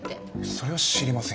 それは知りませんよ